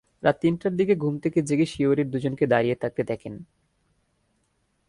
রাত তিনটার দিকে ঘুম থেকে জেগে শিয়রে দুজনকে দাঁড়িয়ে থাকতে দেখেন।